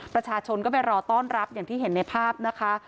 ประชาชนก็ไปรอต้อนรับอย่างที่เห็นในภาพนะคะ